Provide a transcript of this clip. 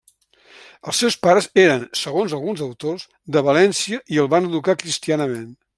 Els seus pares eren, segons alguns autors, de València i el van educar cristianament.